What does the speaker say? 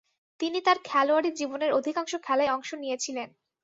তিনি তার খেলোয়াড়ী জীবনের অধিকাংশ খেলায় অংশ নিয়েছিলেন।